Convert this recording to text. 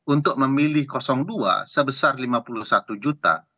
untuk memilih dua sebesar lima puluh satu juta